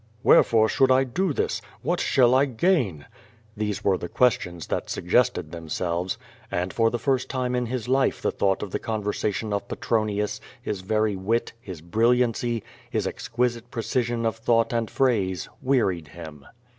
"Wherefore should I do this? ^^^lat shall I gain?'' These were the questions that suggested themselves. And for the first time in his life the thought of the conversation of Pe tronius, his very wit, his brilliancy, his exquisite precision of thought and phrase, wearied him.